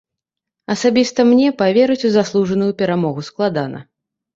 Асабіста мне паверыць у заслужаную перамогу складана.